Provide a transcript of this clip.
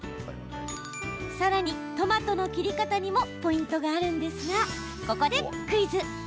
さらに、トマトの切り方にもポイントがあるんですがここでクイズ。